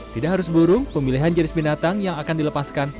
tidak harus burung pemilihan jenis binatang yang akan dilepaskan